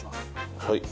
はい。